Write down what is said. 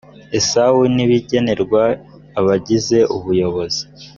ewsa n ibigenerwa abagize ubuyobozi